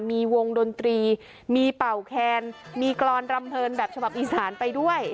มีวงดนตรีมีเป่าแคนมีกรอนรำเพลินแบบฉบับอีสานไปด้วย